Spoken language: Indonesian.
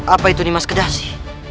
apa itu nih mas kedasi